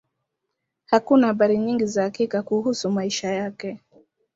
Hakuna habari nyingi za hakika kuhusu maisha yake.